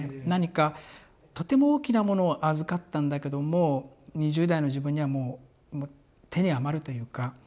何かとても大きなものを預かったんだけども２０代の自分にはもうもう手に余るというか。